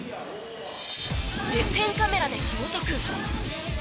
目線カメラでひもとく